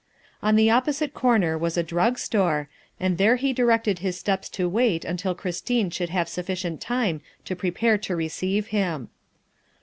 On the opposite corner was a drug store, and there he directed his steps to wait until Christine should have had sufficient time to prepare to receive him.